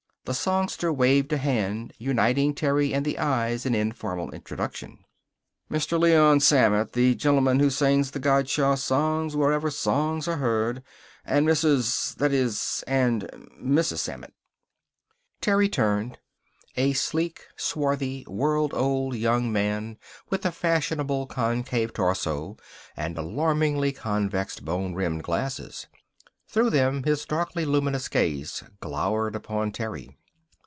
The songster waved a hand uniting Terry and the eyes in informal introduction. "Mr. Leon Sammett, the gentleman who sings the Gottschalk songs wherever songs are heard. And Mrs. that is and Mrs. Sammett " Terry turned. A sleek, swarthy world old young man with the fashionable concave torso, and alarmingly convex bone rimmed glasses. Through them his darkly luminous gaze glowed upon Terry.